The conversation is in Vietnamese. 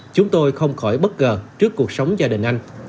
chúng tôi không khỏi bất ngờ trước cuộc sống gia đình anh